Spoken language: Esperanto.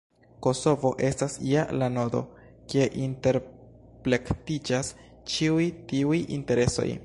Kosovo estas ja la nodo, kie interplektiĝas ĉiuj tiuj interesoj.